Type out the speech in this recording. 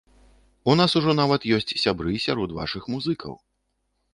У нас ужо нават ёсць сябры сярод вашых музыкаў.